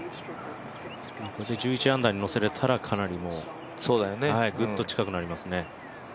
１１アンダーに乗せられたら、ぐっと近くなりますよね。